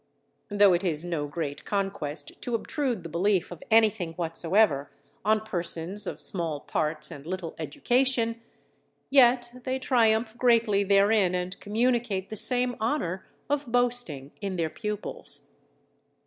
Though it is no great conquest to obtrude the belief of anything whatsoever on persons of small parts and little education, yet they triumph greatly therein and communicate the same honour of boasting in their pupils.